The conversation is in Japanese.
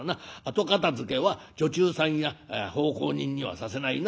後片づけは女中さんや奉公人にはさせないな。